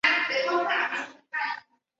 博文女校的创办者和校长是黄侃。